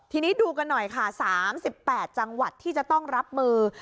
ทีนี้ดูกันหน่อยค่ะ๓๘จังหวัดที่จะต้องรับมือ